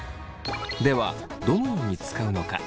ではどのように使うのか。